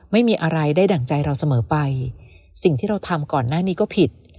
ไม่มีอะไรได้ดั่งใจเราเสมอไปสิ่งที่เราทำก่อนหน้านี้ก็ผิด